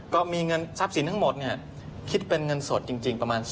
ก็มีเงินทรัพย์สินทั้งหมดคิดเป็นเงินสดจริงประมาณ